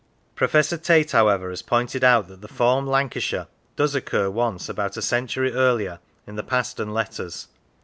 Professor Tait, however, has pointed out that the form Lancashire does occur once, about a century earlier, in the Past on Letters.